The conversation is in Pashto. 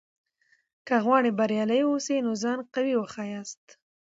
که غواړې بریالی واوسې؛ نو ځان قوي وښیاست.